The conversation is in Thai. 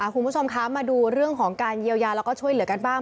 คุณผู้ชมคะมาดูเรื่องของการเยียวยาแล้วก็ช่วยเหลือกันบ้าง